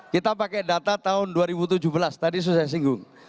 kita pakai data tahun dua ribu tujuh belas tadi sudah saya singgung